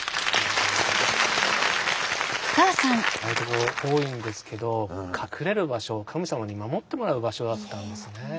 ああいう所多いんですけど隠れる場所神様に守ってもらう場所だったんですね。